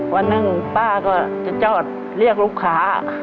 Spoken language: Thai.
วันหนึ่งป้าก็จะจอดเรียกลูกค้า